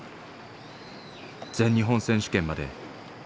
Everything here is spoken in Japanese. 全日本選手権まで２週間。